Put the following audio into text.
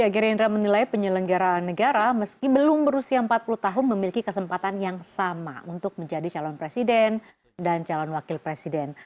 gerindra menilai penyelenggaraan negara meski belum berusia empat puluh tahun memiliki kesempatan yang sama untuk menjadi calon presiden dan calon wakil presiden